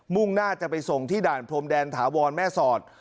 ่งหน้าจะไปส่งที่ด่านพรมแดนถาวรแม่สอด